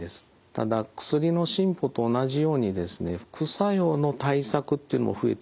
ただ薬の進歩と同じようにですね副作用の対策っていうのも増えてきています。